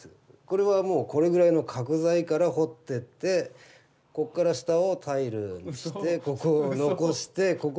これはもうこれぐらいの角材から彫ってってここから下をタイルにしてここを残してここリンゴにしてある。